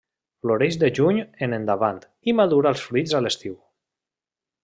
Floreix de juny en endavant i madura els fruits a l'estiu.